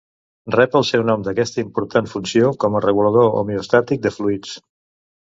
Rep el seu nom d'aquesta important funció com a regulador homeostàtic de fluids.